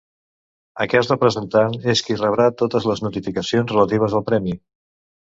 Aquest representant és qui rebrà totes les notificacions relatives al Premi.